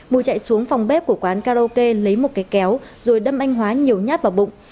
mùi chạy xuống phòng bếp của quán karaoke lấy một cái kéo rồi đâm anh hóa nhiều nhát vào bụng